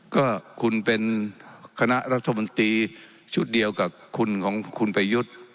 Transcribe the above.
ก็คุณเป็นคณะรัฐมนตรีชุดเดียวกับคุณของคุณประยุทธ์